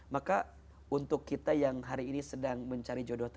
maka untuk kita yang hari ini sedang mencari jodoh